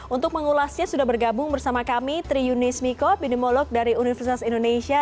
untuk mengulasnya sudah bergabung bersama kami triyunis miko binimolog dari universitas indonesia